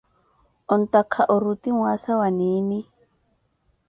Ontakha oruti mwaasa wa niini?